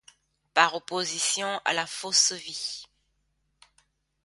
par opposition à la fausse vie.